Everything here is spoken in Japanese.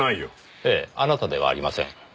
ええあなたではありません。